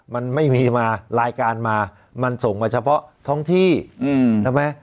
มันไม่มีมารายการมามันส่งมาเฉพาะท้องที่ใช่ไหม